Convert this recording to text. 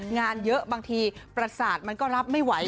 งานเยอะบางทีประสาทมันก็รับไม่ไหว